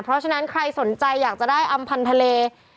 เพราะฉะนั้นใครสนใจอยากจะได้อำพันธ์ทะเล